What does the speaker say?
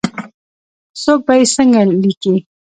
څوک به یې څنګه لیکې ؟